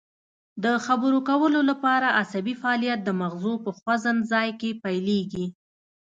د خبرو کولو لپاره عصبي فعالیت د مغزو په خوځند ځای کې پیلیږي